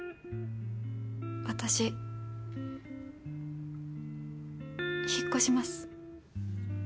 私引っ越します。